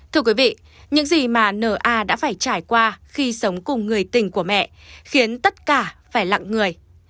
thưa quý vị những gì mà nar đã phải trải qua khi sống cùng người tình của mẹ khiến tất cả phải lặng người